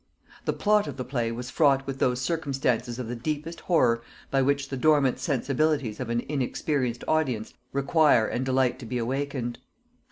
The plot of the play was fraught with those circumstances of the deepest horror by which the dormant sensibilities of an inexperienced audience require and delight to be awakened.